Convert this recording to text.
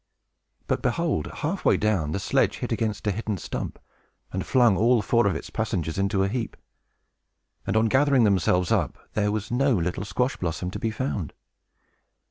But, behold, halfway down, the sledge hit against a hidden stump, and flung all four of its passengers into a heap; and, on gathering themselves up, there was no little Squash Blossom to be found!